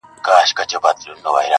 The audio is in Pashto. د اوبو زور یې په ژوند نه وو لیدلی-